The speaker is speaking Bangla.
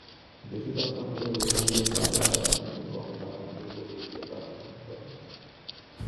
বেশি তাপমাত্রার বস্তুগুলো তাপ হারায় এবং কম তাপমাত্রার বস্তুগুলো তাপ গ্রহণ করে।